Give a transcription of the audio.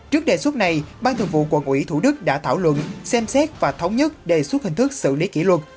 trước đề xuất này ban thường vụ quận ủy thủ đức đã thảo luận xem xét và thống nhất đề xuất hình thức xử lý kỷ luật